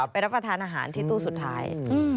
รับประทานอาหารที่ตู้สุดท้าย